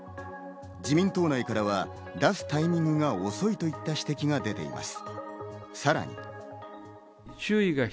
自民党内からは出すタイミングが遅いといった指摘が出ています。